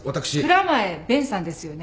蔵前勉さんですよね。